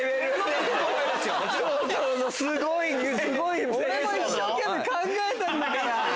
一生懸命考えたんだから。